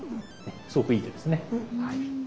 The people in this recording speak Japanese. すごくいい手ですね。